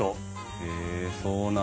へえそうなんだ。